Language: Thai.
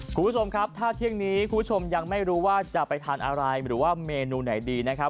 คุณผู้ชมครับถ้าเที่ยงนี้คุณผู้ชมยังไม่รู้ว่าจะไปทานอะไรหรือว่าเมนูไหนดีนะครับ